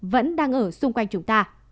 vẫn đang ở xung quanh chúng ta